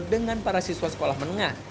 dengan para siswa sekolah menengah